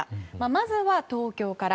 まずは東京から。